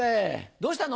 どうしたの？